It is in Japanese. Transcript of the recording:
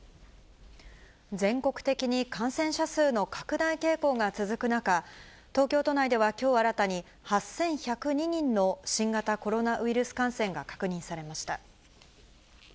全国的に感染者数の拡大傾向が続く中、東京都内ではきょう新たに、８１０２人の新型コロナウイルス感染が確認されました。